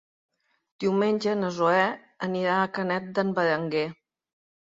Diumenge na Zoè anirà a Canet d'en Berenguer.